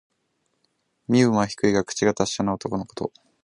身分は低いが、口が達者な男のこと。